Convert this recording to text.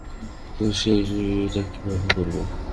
তো, সেটা কীভাবে করবো?